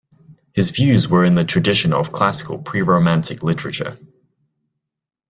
His views were in the tradition of classical pre-romantic literature.